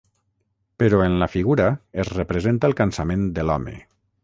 Però en la figura es representa el cansament de l'home.